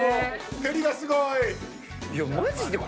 照りがすごい！